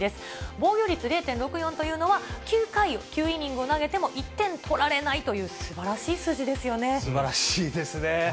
防御率０．６４というのは、９回、９イニングを投げても１点取られないという、すばらしい数すばらしいですね。